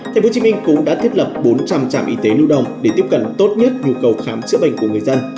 tp hcm cũng đã thiết lập bốn trăm linh trạm y tế lưu đồng để tiếp cận tốt nhất nhu cầu khám chữa bệnh của người dân